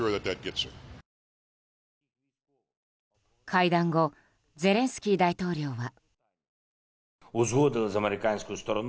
会談後ゼレンスキー大統領は。